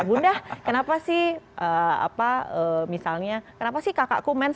bunda kenapa sih apa misalnya kenapa sih kakakku menangis